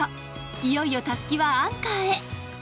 いよいよ、たすきはアンカーへ。